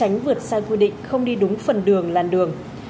tránh vượt sai quy định không đi đúng phần đường làn đường